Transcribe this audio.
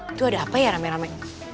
itu ada apa ya rame rame